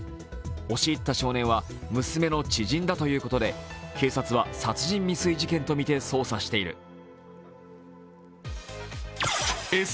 押し入った少年は娘の知人だということで警察は殺人未遂事件とみて捜査している。